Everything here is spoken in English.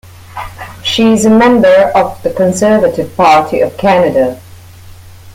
She is a member of the Conservative Party of Canada.